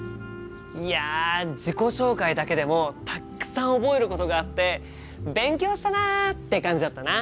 いや自己紹介だけでもたくさん覚えることがあって勉強したなって感じだったな！